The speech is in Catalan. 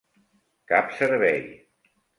Cap servei.